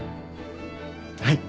はい！